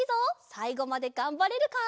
さいごまでがんばれるか？